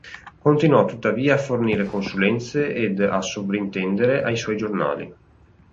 Continuò tuttavia a fornire consulenze ed a sovraintendere ai suoi giornali.